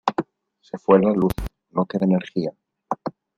Se fue la luz, no queda energía.